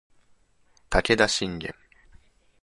武田信玄